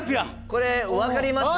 これ分かります？